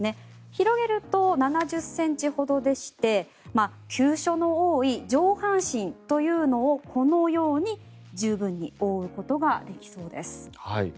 広げると７０ｃｍほどでして急所の多い上半身というのをこのように十分に覆うことができそうです。